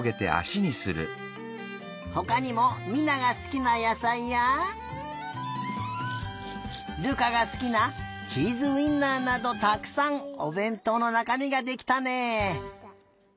ほかにも美菜がすきなやさいや瑠珂がすきなチーズウインナーなどたくさんおべんとうのなかみができたね。